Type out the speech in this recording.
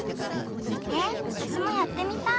えっわたしもやってみたい！